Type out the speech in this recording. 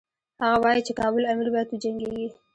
هغه وايي چې کابل امیر باید وجنګیږي.